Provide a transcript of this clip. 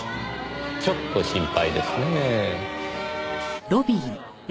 ちょっと心配ですねぇ。